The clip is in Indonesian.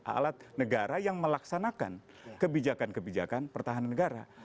alat negara yang melaksanakan kebijakan kebijakan pertahanan negara